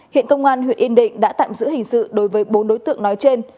hiện công an huyện yên định đã tạm giữ hình sự đối với bốn đối tượng nói trên